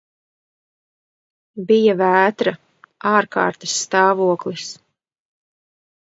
Bija vētra, ārkārtas stāvoklis.